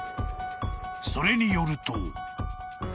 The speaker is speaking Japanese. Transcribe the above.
［それによると］